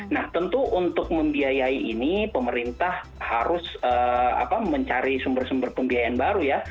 nah tentu untuk membiayai ini pemerintah harus mencari sumber sumber pembiayaan baru ya